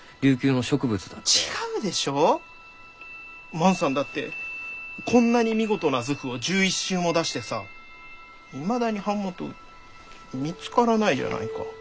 万さんだってこんなに見事な図譜を１１集も出してさいまだに版元見つからないじゃないか。